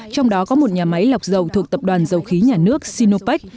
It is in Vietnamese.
trong đó có một nhà máy lọc dầu thuộc tập đoàn dầu khí nhà nước sinopec